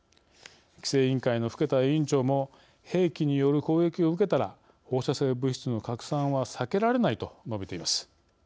規制委員会の更田委員長も「兵器による攻撃を受けたら放射性物質の拡散は避けられない」と述べています。